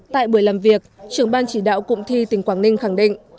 tại buổi làm việc trưởng ban chỉ đạo cụng thi tỉnh quảng ninh khẳng định